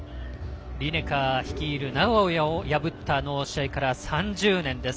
リネカー率いる名古屋を破ったあの試合から３０年です。